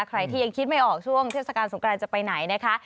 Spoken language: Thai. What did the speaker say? ใครที่ยังคิดไม่ออกช่วงเทศกาลสงกรานจะไปไหนนะคะ